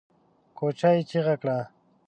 کوچي چيغه کړه!